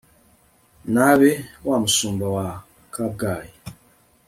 N abe Wa mushumba wa Kabgayi